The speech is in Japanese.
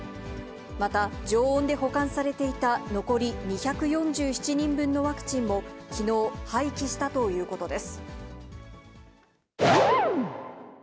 また、常温で保管されていた残り２４７人分のワクチンも、きのう廃棄したということです。